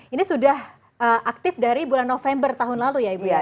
ini sudah aktif dari bulan november tahun lalu ya ibu ya